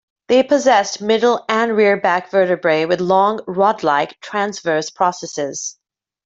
They possessed middle and rear back vertebrae with long, 'rod-like' transverse processes.